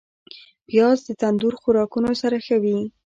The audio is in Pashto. پیاز د تندور خوراکونو سره ښه وي